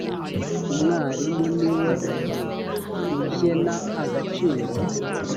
umwarimu niwe ujyena agaciro.